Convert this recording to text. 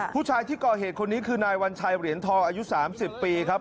ผู้ชายที่ก่อเหตุคนนี้คือนายวัญชัยเหรียญทองอายุ๓๐ปีครับ